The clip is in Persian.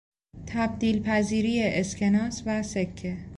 تبدیل پذیری اسکناس و سکه